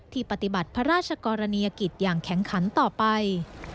ปฏิบัติพระราชกรณียกิจอย่างแข็งขันต่อไป